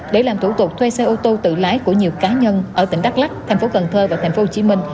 để làm thủ tục thuê xe ô tô tự lái của nhiều cá nhân ở tỉnh đắk lắc tp cn và tp hcm